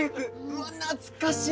うわ懐かしい！